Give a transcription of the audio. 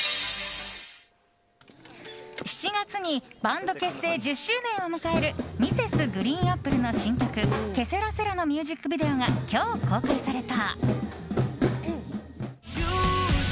７月にバンド結成１０周年を迎えるＭｒｓ．ＧＲＥＥＮＡＰＰＬＥの新曲「ケセラセラ」のミュージックビデオが今日、公開された。